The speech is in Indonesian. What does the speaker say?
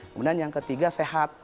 kemudian yang ketiga sehat